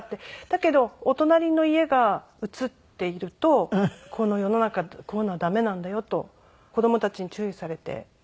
だけどお隣の家が写っているとこの世の中こういうのは駄目なんだよと子供たちに注意されて。